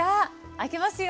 開けますよ。